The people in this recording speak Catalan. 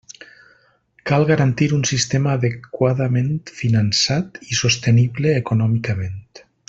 Cal garantir un sistema adequadament finançat i sostenible econòmicament.